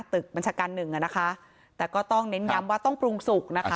ตึกอันที่๑นะคะแต่ก็ต้องเน้นยำว่าต้องปรุงสุขนะคะ